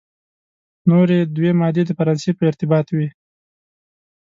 نوري دوې مادې د فرانسې په ارتباط وې.